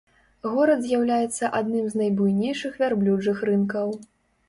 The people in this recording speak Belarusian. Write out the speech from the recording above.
Горад з'яўляецца адным з найбуйнейшых вярблюджых рынкаў.